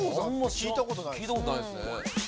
聞いたことないですね。